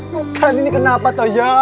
mukaan ini kenapa toh ya